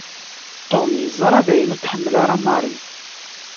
Tom yeẓra dayen ur t-tḥemmel ara Marie.